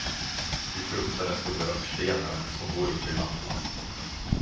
Vi fruktar den stora förstenaren, som bor uppe i Lappland.